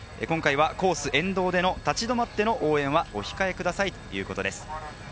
今回はコース、沿道での立ち止まっての応援はお控えくださいということです。